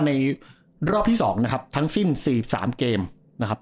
ในรอบที่๒นะครับทั้งสิ้น๔๓เกมนะครับ